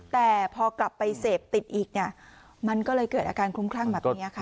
แต่พอกลับไปเสพติดอีกเนี่ยมันก็เลยเกิดอาการคลุ้มคลั่งแบบนี้ค่ะ